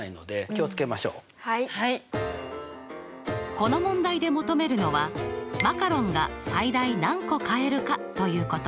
この問題で求めるのはマカロンが最大何個買えるかということ。